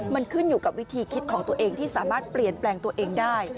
มันขึ้นอยู่กับวิธีคิดของตัวเองที่สามารถเปลี่ยนแปลงตัวเองได้